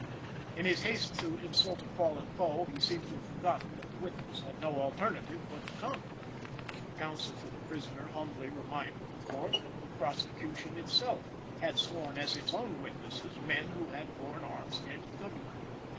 In his haste to insult a fallen foe, he seems to have forgotten that the witness had no alternative but to come. The counsel for the prisoner humbly reminded the Court that the prosecution itself had sworn as its own witnesses men who had borne arms against the Government.